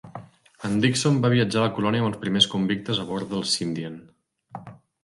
En Dixon va viatjar a la colònia amb els primers convictes a bord del "Scindian".